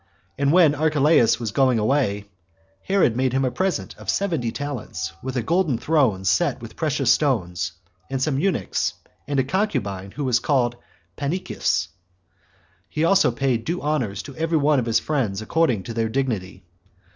And when Archelaus was going away, Herod made him a present of seventy talents, with a golden throne set with precious stones, and some eunuchs, and a concubine who was called Pannychis. He also paid due honors to every one of his friends according to their dignity.